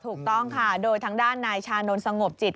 ถูกต้องค่ะโดยทางด้านนายชานนท์สงบจิต